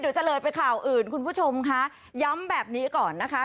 จะเลยไปข่าวอื่นคุณผู้ชมค่ะย้ำแบบนี้ก่อนนะคะ